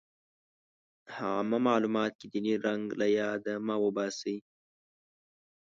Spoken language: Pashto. عامه معلوماتو کې ديني رنګ له ياده مه وباسئ.